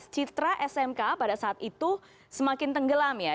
citra smk pada saat itu semakin tenggelam ya